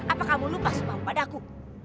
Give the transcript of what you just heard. apakah kamu lupa sumpahmu pada aku